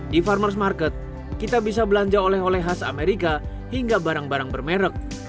di farmers ⁇ market kita bisa belanja oleh oleh khas amerika hingga barang barang bermerek